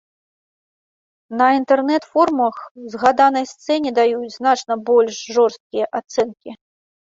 На інтэрнэт-форумах згаданай сцэне даюць значна больш жорсткія ацэнкі.